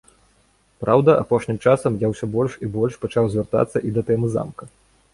Праўда, апошнім часам я ўсё больш і больш пачаў звяртацца і да тэмы замка.